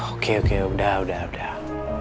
oke oke udah udah